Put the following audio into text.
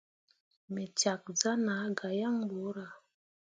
Me cak zah na gah yaŋ ɓorah.